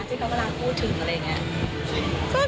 ที่เขากำลังพูดถึงอะไรอย่างนี้